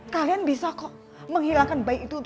perlu mem prominentifikasikan